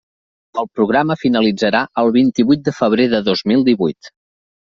El programa finalitzarà el vint-i-vuit de febrer de dos mil divuit.